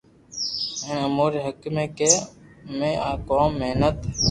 ھين اموري حق ھي ڪي امي آ ڪوم محنت